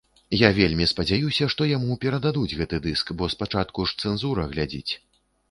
Я вельмі спадзяюся, што яму перададуць гэты дыск, бо спачатку ж цэнзура глядзіць.